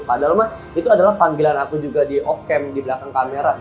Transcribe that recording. padahal mah itu adalah panggilan aku juga di off camp di belakang kamera